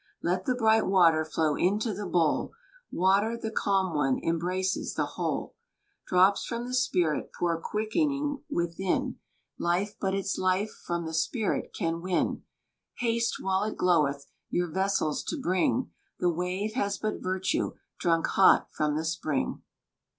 Let the bright water Flow into the bowl; Water, the calm one, Embraces the whole. Drops from the spirit Pour quick'ning within, Life but its life from The spirit can win. Haste, while it gloweth, Your vessels to bring; The wave has but virtue Drunk hot from the spring.